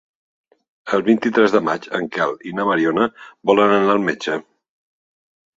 El vint-i-tres de maig en Quel i na Mariona volen anar al metge.